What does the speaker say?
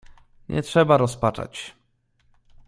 "Nie trzeba rozpaczać."